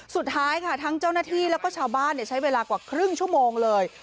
สุดท้ายค่ะทั้งเจ้าหน้าที่แล้วก็ชาวบ้านใช้เวลากว่าครึ่งชั่วโมงเลย